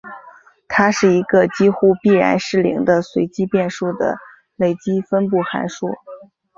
它是一个几乎必然是零的随机变数的累积分布函数。